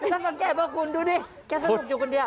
ถ้าสังเกตบอกคุณดูนี่แค่สนุกอยู่คนเดียว